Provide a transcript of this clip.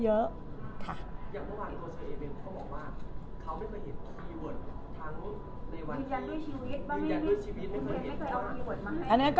ยืนยันด้วยชีวิตพี่ปุ๊ยไม่เคยเอาพีเวิร์ดมาให้